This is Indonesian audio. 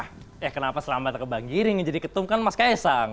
ya kenapa selamat ke bang giring yang jadi ketum kan mas kaesang